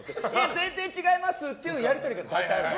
全然違います！っていうやり取りが大体あるの。